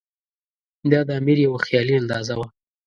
دا د امیر یوه خیالي اندازه وه.